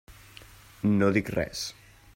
No dic res.